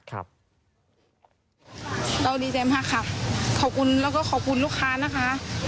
เราดีใจมากค่ะขอบคุณแล้วก็ขอบคุณลูกค้านะคะ